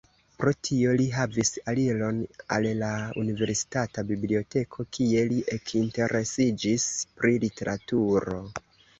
Pro tio li havis aliron al la universitata biblioteko kie li ekinteresiĝis pri literaturo.